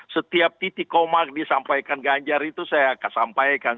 setiap titik komak disampaikan ganjar itu saya akan sampaikan